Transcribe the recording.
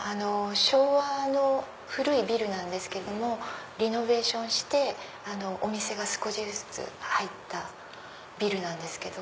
昭和の古いビルなんですけどもリノベーションしてお店が少しずつ入ったビルです。